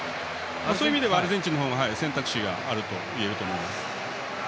そういう意味ではアルゼンチンの方が選択肢があるといえると思います。